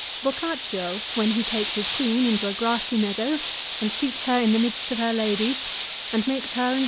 Boccaccio when he takes his queen into a grassy meadow and seats her in the midst of her ladies, and makes her and CICERO'S RHETORIC.